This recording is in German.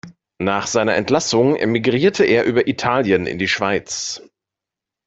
Nach seiner Entlassung emigrierte er über Italien in die Schweiz.